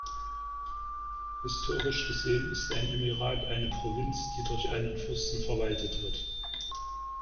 Historisch gesehen ist ein Emirat eine Provinz, die durch einen Fürsten verwaltet wird.